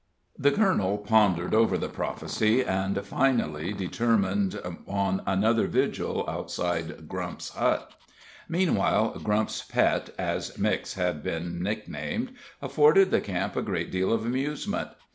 The colonel pondered over the prophecy, and finally determined on another vigil outside Grump's hut. Meanwhile, Grump's Pet, as Mix had been nicknamed, afforded the camp a great deal of amusement.